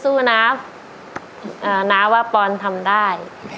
สู้นะน้าว่าปอนทำได้